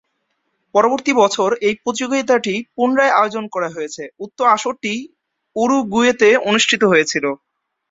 পরবর্তী বছর, এই প্রতিযোগিতাটি পুনরায় আয়োজন করা হয়েছে, উক্ত আসরটি উরুগুয়েতে অনুষ্ঠিত হয়েছিল।